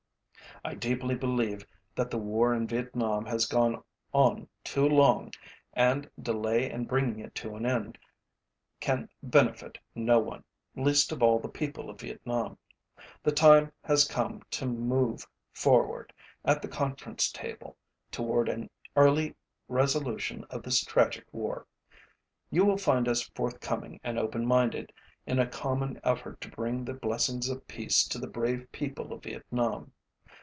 I deeply believe that the war in Vietnam has gone on too long and delay in bringing it to an end can benefit no one, least of all the people of Vietnam. The time has come to move forward at the conference table toward an early resolution of this tragic war. You will find us forthcoming and open minded in a common effort to bring the blessings of peace to the brave people of Vietnam.